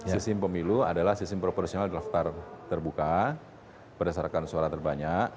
sistem pemilu adalah sistem proporsional daftar terbuka berdasarkan suara terbanyak